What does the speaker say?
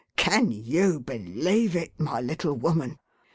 Can you believe it, my little woman